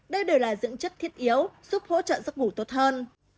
đây đều là dưỡng chất thiết yếu giúp hỗ trợ giấc ngủ tốt hơn